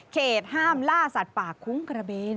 เหตุห้ามล่าสัตว์ป่าคุ้งกระเบน